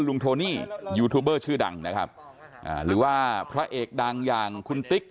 โทนี่ยูทูบเบอร์ชื่อดังนะครับอ่าหรือว่าพระเอกดังอย่างคุณติ๊ก